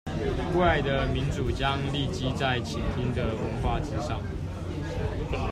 未來的民主將立基在傾聽的文化之上